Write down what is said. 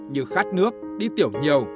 như khát nước đi tiểu nhiều